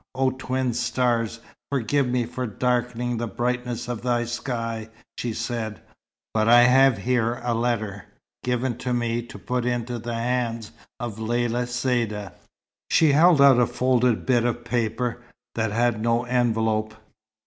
"O twin stars, forgive me for darkening the brightness of thy sky," she said, "but I have here a letter, given to me to put into the hands of Lella Saïda." She held out a folded bit of paper, that had no envelope.